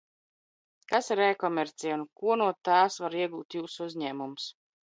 Kas ir e-komercija un ko no tās var iegūt Jūsu uzņēmums?